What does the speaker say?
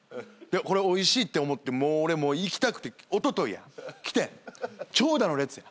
「これおいしいって思って俺もう行きたくておとといや来て長蛇の列や」